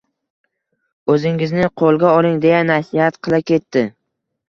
O`zingizni qo`lga oling, deya nasihat qila ketdi